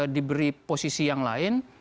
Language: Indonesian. diberi posisi yang lain